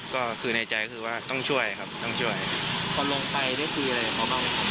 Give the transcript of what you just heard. ก็คือในใจคือว่าต้องช่วยครับต้องช่วยพอลงไปได้คุยอะไรกับเขาบ้างไหมครับ